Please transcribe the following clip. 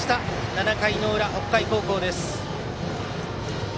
７回裏、北海高校です。